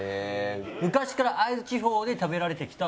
昔から会津地方で食べられてきた。